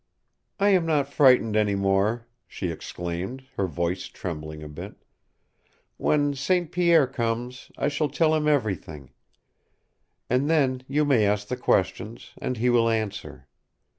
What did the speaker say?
"I am not frightened any more," she exclaimed, her voice trembling a bit. "When St. Pierre comes, I shall tell him everything. And then you may ask the questions, and he will answer.